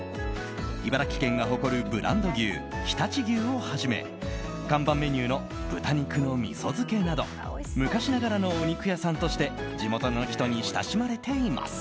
茨城県が誇るブランド牛常陸牛をはじめ看板メニューの豚肉のみそ漬など昔ながらのお肉屋さんとして地元の人に親しまれています。